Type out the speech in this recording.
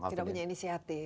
tidak punya inisiatif